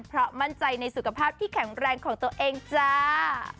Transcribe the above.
เพราะมั่นใจในสุขภาพที่แข็งแรงของตัวเองจ้า